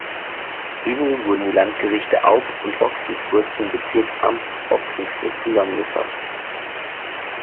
Ebenso wurden die Landgerichte Aub und Ochsenfurt zum Bezirksamt Ochsenfurt zusammengefasst.